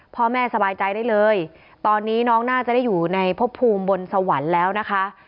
พ่อแม่สบายใจได้เลยตอนนี้น้องน่าจะได้อยู่ในพบภูมิบนสวรรค์แล้วนะคะ